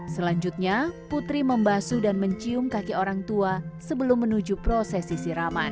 selanjutnya putri membasu dan mencium kaki orang tua sebelum menuju prosesi siraman